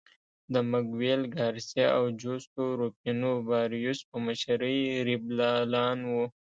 د مګویل ګارسیا او جوستو روفینو باریوس په مشرۍ لیبرالان وو.